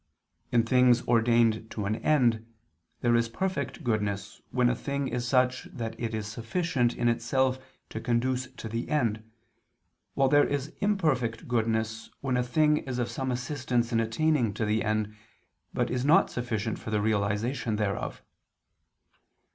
In things ordained to an end, there is perfect goodness when a thing is such that it is sufficient in itself to conduce to the end: while there is imperfect goodness when a thing is of some assistance in attaining the end, but is not sufficient for the realization thereof.